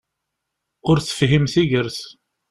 Ur tefhim tigert!